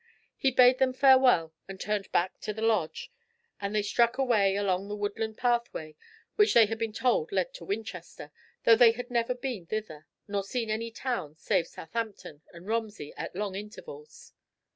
He bade them farewell, and turned back to the lodge, and they struck away along the woodland pathway which they had been told led to Winchester, though they had never been thither, nor seen any town save Southampton and Romsey at long intervals.